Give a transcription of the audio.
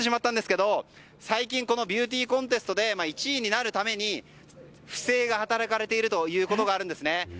最近、ビューティーコンテストで１位になるために不正が働かれているということがあるんですね。